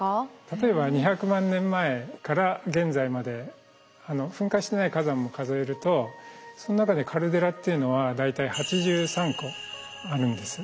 例えば２００万年前から現在まで噴火してない火山も数えるとその中でカルデラっていうのは大体８３個あるんです。